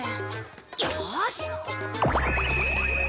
よし。